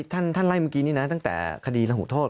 ท่านไล่เมื่อกี้นี่นะตั้งแต่คดีระหูโทษ